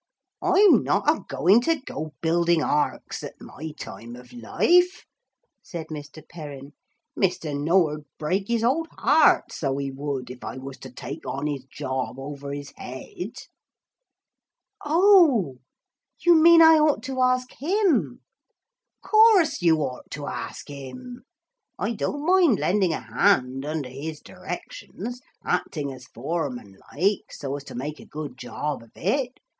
'I'm not a going to go building arks, at my time of life,' said Mr. Perrin. 'Mr. Noah'd break his old heart, so he would, if I was to take on his job over his head.' 'Oh, you mean I ought to ask him?' ''Course you ought to ask him. I don't mind lending a hand under his directions, acting as foreman like, so as to make a good job of it.